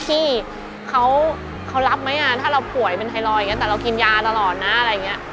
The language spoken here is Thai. ที่เขารับไหมถ้าเราป่วยเป็นไทรอยด์อย่างนี้แต่เรากินยาตลอดนะอะไรอย่างนี้